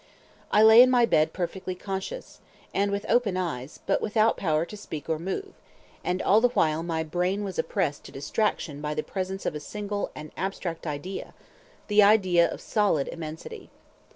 I lay in my bed perfectly conscious, and with open eyes, but without power to speak or to move, and all the while my brain was oppressed to distraction by the presence of a single and abstract idea, the idea of solid immensity.